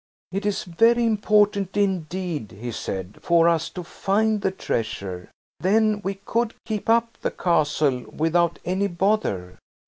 "It is very important indeed," he said, "for us to find the treasure. Then we could 'keep up' the Castle without any bother.